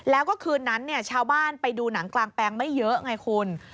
แล้วก็คืนนั้นชาวบ้านไปดูหนังกลางแปลงไม่เยอะไงคุณ